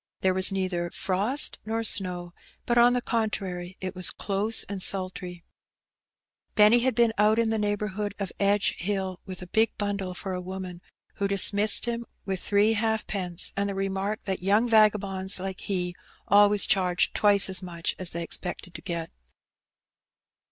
There was neither frost nor snow; but on the contrary, it was close and sultry, Benny had been out in the neigh bourhood of Edge Hill with a big bundle for a woman, who dismissed him with three halfpence, and the remark that The Tide Turns. 139 young vagabonds like he always charged twice as much as they expected to get.